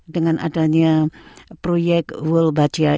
dengan adanya proyek world budgeting